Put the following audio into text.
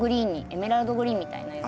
エメラルドグリーンみたいな色。